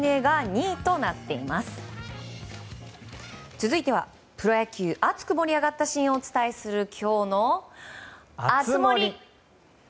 続いては、プロ野球熱く盛り上がったシーンをお伝えする、きょうの熱盛。